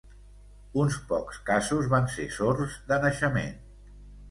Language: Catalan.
Uns pocs casos van ser sords de naixement.